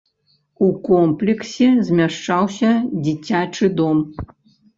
У комплексе змяшчаўся дзіцячы дом.